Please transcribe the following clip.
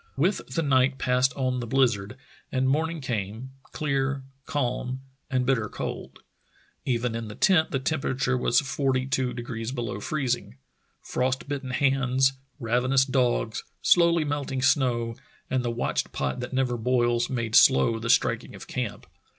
With the night passed on the blizzard, and morning came — clear, calm, and bitter cold. Even in the tent the temperature was forty two degrees below freez ing. Frost bitten hands, ravenous dogs, slowly melting snow, and the watched pot that never boils made slow the striking of camp.